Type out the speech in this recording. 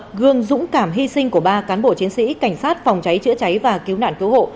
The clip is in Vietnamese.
gương dũng cảm hy sinh của ba cán bộ chiến sĩ cảnh sát phòng cháy chữa cháy và cứu nạn cứu hộ